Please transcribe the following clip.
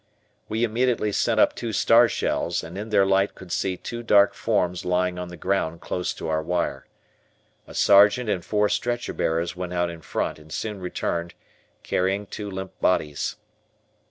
We immediately sent up two star shells, and in their light could see two dark forms lying on the ground close to our wire. A sergeant and four Stretcher bearers went out in front and soon returned, carrying two limp bodies.